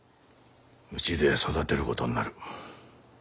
うちで育てることになる。